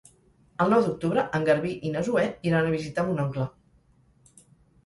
El nou d'octubre en Garbí i na Zoè iran a visitar mon oncle.